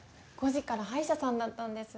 ５時から歯医者さんだったんです。